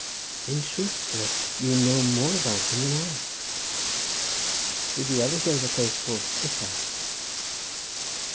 "In truth, sir, you know more about him than I." "Did you ever hear of a place called Sycharth?"